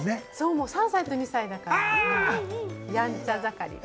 もう３歳と２歳ですから、やんちゃ盛り。